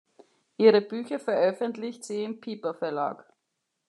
Ihre Bücher veröffentlicht sie im Piper Verlag.